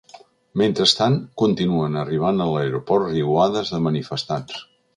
Mentrestant, continuen arribant a l’aeroport riuades de manifestants.